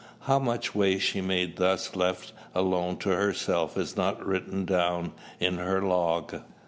How much way she made thus left alone to herself is not written down in her "log."